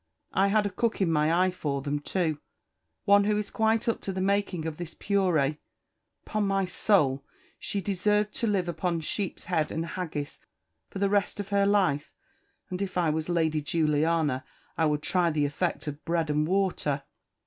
I had a cook in my eye for them, too one who is quite up to the making of this _purée. _'Pon my soul! she deserve to live upon sheep's head and haggis for the rest of her life; and if I was Lady Juliana I would try the effect of bread and water."